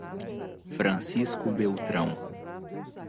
Francisco Beltrão